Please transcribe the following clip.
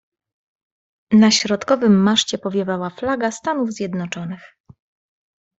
"Na środkowym maszcie powiewała flaga Stanów Zjednoczonych."